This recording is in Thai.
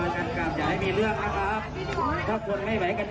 อุ้ยมันปุ๊บ